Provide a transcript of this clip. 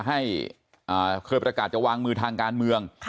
ให้เคยประกาศจะวางมือทางการเมือง